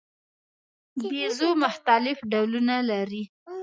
بیزو مختلف ډولونه لري.